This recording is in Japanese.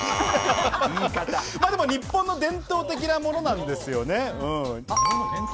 日本の伝統的なものなんですよね。